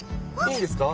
いいんですか？